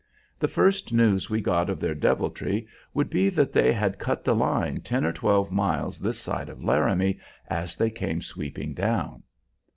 The first news we got of their deviltry would be that they had cut the line ten or twelve miles this side of Laramie as they came sweeping down.